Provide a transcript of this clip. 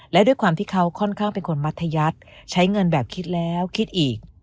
และด้วยความที่เขาค่อนข้างเป็นคนมัธยัติใช้เงินแบบคิดแล้วคิดอีก